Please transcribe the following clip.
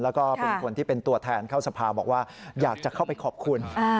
แล้วก็เป็นคนที่เป็นตัวแทนเข้าสภาบอกว่าอยากจะเข้าไปขอบคุณ